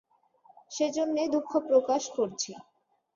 সেজন্যে দুঃখপ্রকাশ করছি।